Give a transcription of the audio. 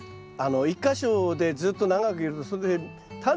１か所でずっと長くいるとそれでタネがですね。